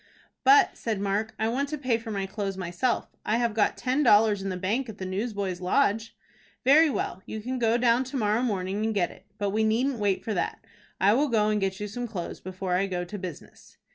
"But," said Mark, "I want to pay for my clothes myself. I have got ten dollars in the bank at the Newsboys' Lodge." "Very well. You can go down to morrow morning and get it. But we needn't wait for that. I will go and get you some clothes before I go to business."